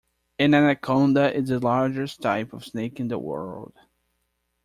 An anaconda is the largest type of snake in the world.